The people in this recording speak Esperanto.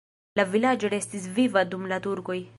La vilaĝo restis viva dum la turkoj.